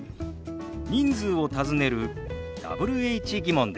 人数を尋ねるＷｈ−疑問です。